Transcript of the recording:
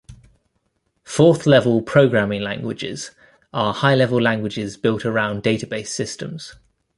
Fourth-generation programming languages are high-level languages built around database systems.